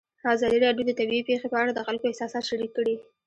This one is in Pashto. ازادي راډیو د طبیعي پېښې په اړه د خلکو احساسات شریک کړي.